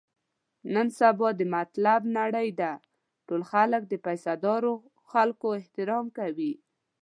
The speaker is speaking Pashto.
نن سبا د مطلب نړۍ ده، ټول خلک د پیسه دارو خلکو احترام کوي.